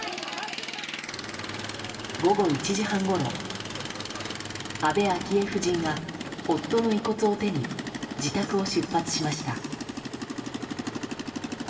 午後１時半ごろ安倍昭恵夫人が夫の遺骨を手に自宅を出発しました。